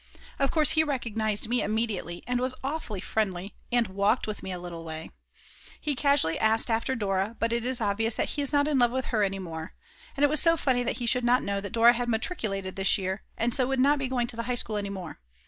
_ Of course he recognised me immediately, and was awfully friendly, and walked with me a little way. He asked casually after Dora, but it is obvious that he is not in love with her any more. And it was so funny that he should not know that Dora had matriculated this year and so would not be going to the High School any more.